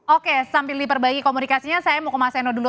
oke sambil diperbaiki komunikasinya saya mau ke mas eno dulu